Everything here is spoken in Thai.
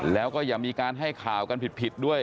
แล้วก็อย่ามีการให้ข่าวกันผิดด้วย